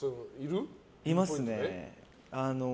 いますね。